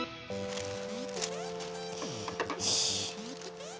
よし。